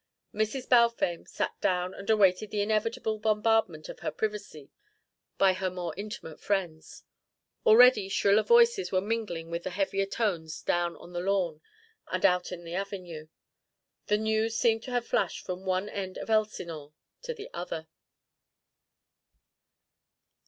Mrs. Balfame sat down and awaited the inevitable bombardment of her privacy by her more intimate friends. Already shriller voices were mingling with the heavier tones down on the lawn and out in the avenue. The news seemed to have been flashed from one end of Elsinore to the other.